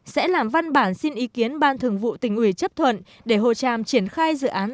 sẽ làm văn bản xin ý kiến ban thường vụ tỉnh ủy chấp thuận để hồ tràm triển khai dự án